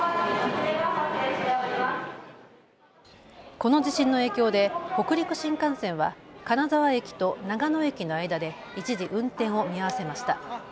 この地震の影響で北陸新幹線は金沢駅と長野駅の間で一時運転を見合わせました。